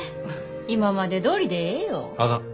今までどおりでええよ。あかん。